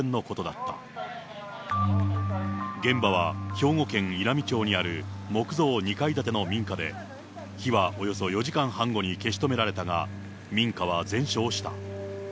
兵庫県稲美町にある木造２階建ての民家で、火はおよそ４時間半後に消し止められたが、民家は全焼した。